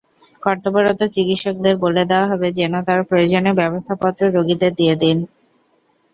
কর্তব্যরত চিকিৎসকদের বলে দেওয়া হবে যেন তাঁরা প্রয়োজনীয় ব্যবস্থাপত্র রোগীদের দিয়ে দেন।